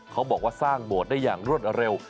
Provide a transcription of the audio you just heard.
เขาบอกว่าสร้างโบสถ์ได้อย่างรวดเร็ว